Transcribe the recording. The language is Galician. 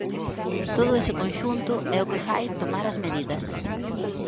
Todo ese conxunto é o que fai tomar as medidas.